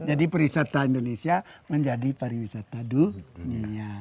jadi perwisata indonesia menjadi pariwisata dunia